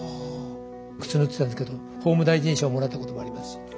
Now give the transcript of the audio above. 靴縫ってたんですけど法務大臣賞もらったこともありますし。